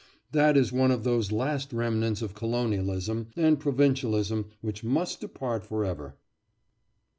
That is one of those last remnants of colonialism and provincialism which must depart forever.